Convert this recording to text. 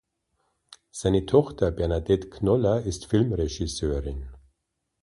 Seine Tochter Bernadette Knoller ist Filmregisseurin.